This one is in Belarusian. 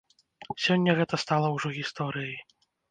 Сёння гэта стала ўжо гісторыяй.